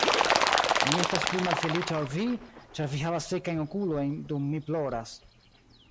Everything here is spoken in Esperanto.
Mi estas pli malfeliĉa ol vi, ĉar vi havas sekajn okulojn, dum mi ploras.